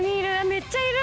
めっちゃいる！